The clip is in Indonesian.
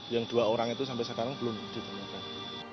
yang dua orang itu sampai sekarang belum ditemukan